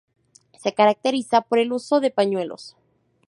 Se caracteriza por el uso de pañuelos.